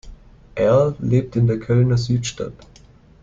Erl lebt in der Kölner Südstadt.